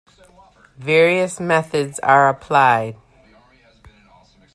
Various methods are applied.